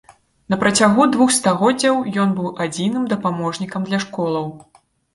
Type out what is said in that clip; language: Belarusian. На працягу двух стагоддзяў ён быў адзіным дапаможнікам для школаў.